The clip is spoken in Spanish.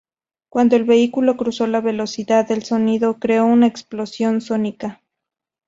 Cuando el vehículo cruzó la velocidad del sonido, creó una explosión sónica.